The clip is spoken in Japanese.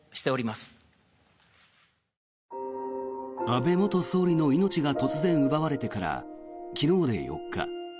安倍元総理の命が突然奪われてから昨日で４日。